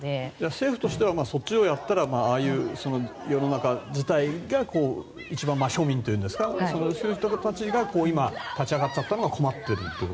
政府としてはそっちをやったらああいう世の中自体が一番、庶民といいますかそういう人たちが今立ち上がっちゃったのが困っている。